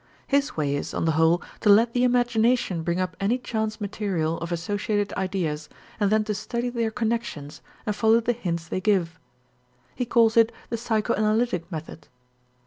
His way is, on the whole, to let the imagination bring up any chance material of associated ideas and then to study their connections and follow the hints they give. He calls it the psychoanalytic method.